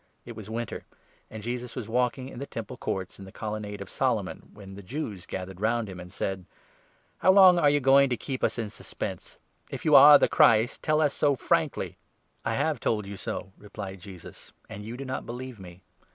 It was winter; and Jesus Festival. was Walking in the Temple Courts, in the Colon nade of Solomon, when the Jews gathered round him, and said :" How long are you going to keep us in suspense? If you are the Christ, tell us so frankly." " I have told you so," replied Jesus, " and you do not believe me.